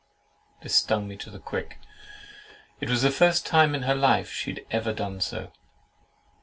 This stung me to the quick. It was the first time in her life she had ever done so.